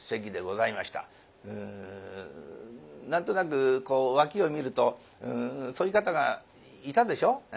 何となくこう脇を見るとそういう方がいたでしょ？